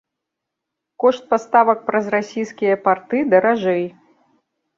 Кошт паставак праз расійскія парты даражэй.